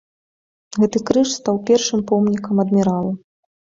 Гэты крыж стаў першым помнікам адміралу.